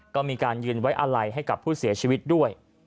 ก็มีการยืนไว้อะไรให้กับผู้เสียชีวิตด้วย